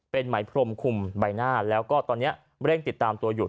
เป็นไหมพรมคุมใบหน้าแล้วก็ตอนนี้เร่งติดตามตัวอยู่